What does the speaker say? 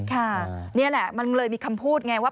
ค่ะนี่แหละมันเลยมีคำพูดไงว่า